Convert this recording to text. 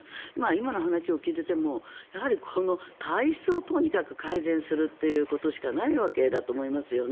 今の話を聞いていてもやはりこの体質をとにかく改善するということしかないと思います。